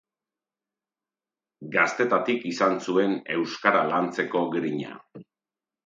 Gaztetatik izan zuen euskara lantzeko grina.